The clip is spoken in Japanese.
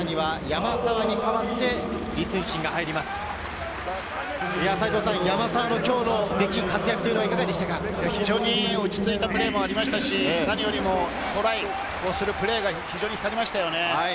山沢の今日の活躍はいかがでした落ち着いたプレーがありましたし、何よりもトライをするプレーがありましたよね。